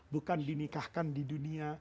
bukan dinikahkan di dunia